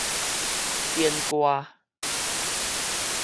展歌